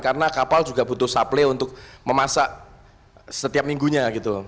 karena kapal juga butuh supply untuk memasak setiap minggunya gitu